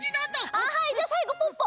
あはいじゃあさいごポッポ。